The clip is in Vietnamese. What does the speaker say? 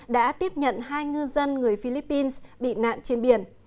đã tiếp nhận hai ngư dân người philippines bị nạn trên biển